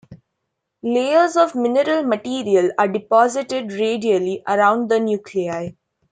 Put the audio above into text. Layers of mineral material are deposited radially around the nuclei.